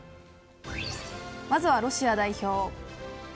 まずはロシア代表。